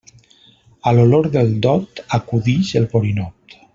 A l'olor del dot, acudix el borinot.